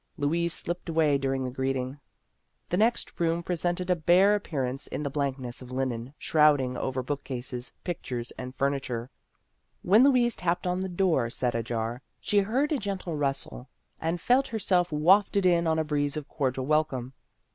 Louise slipped away during the greeting. The next room presented a bare ap pearance in the blankness of linen shroud ing pver bookcases, pictures, and furniture. When Louise tapped on the door set The Ghost of Her Senior Year 233 ajar, she heard a gentle rustle, and felt herself wafted in on a breeze of cordial welcome.